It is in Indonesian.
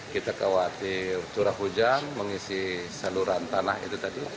kita khawatir curah hujan mengisi saluran tanah itu tadi